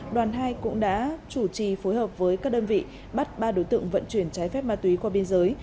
đoàn hai cũng đã chủ trì phối hợp với các đơn vị bắt ba đối tượng vận chuyển trái phép ma túy qua biên giới